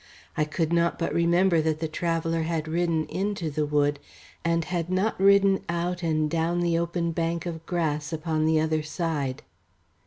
I could not but remember that the traveller had ridden into the wood, and had not ridden out and down the open bank of grass upon the other side.